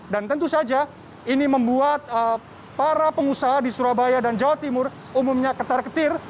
dan tentu saja ini membuat para pengusaha di surabaya dan jawa timur umumnya ketar ketir